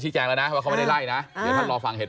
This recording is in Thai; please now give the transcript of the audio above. นี่ไงมันมานั่งตรงนี้นี่มานั่งตรงนี้